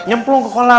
nyemplung ke kolam